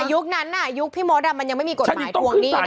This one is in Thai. ยุคนั้นน่ะปีโมธมันยังไม่มีกฎหมาย